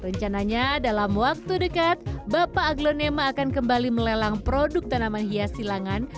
rencananya dalam waktu dekat bapak aglonema akan kembali melelang produk tanaman hias silangan